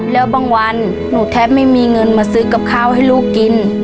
แล้วบางวันหนูแทบไม่มีเงินมาซื้อกับข้าวให้ลูกกิน